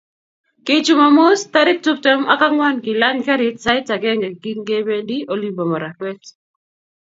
kii jumamos, tariik tuptem ak angwan kilay karit sait agenge kingebendi olin bo Marakwet